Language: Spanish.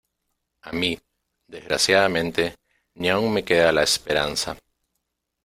a mí, desgraciadamente , ni aun me queda la esperanza.